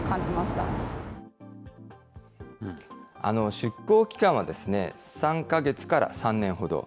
出向期間は３か月から３年ほど。